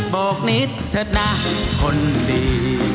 โบกนิดเถิดนะคนดี